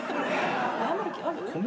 謝る気ある？